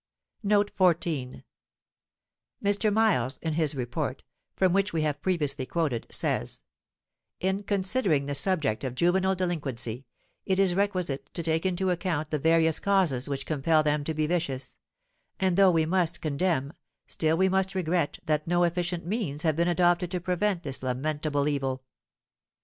Footnote 14: Mr. Miles, in his Report (from which we have previously quoted) says, "In considering the subject of juvenile delinquency, it is requisite to take into account the various causes which compel them to be vicious; and though we must condemn, still we must regret that no efficient means have been adopted to prevent this lamentable evil.